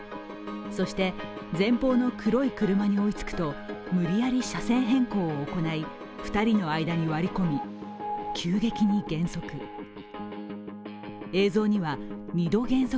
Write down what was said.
そして前方の黒い車に追いつくと、無理やり車線変更を行い２人の間に割り込み急激に減速。